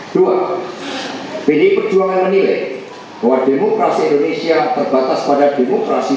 dua pdi perjuangan menilai bahwa demokrasi indonesia terbatas pada demokrasi